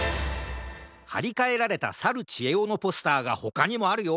はりかえられたさるちえおのポスターがほかにもあるよ。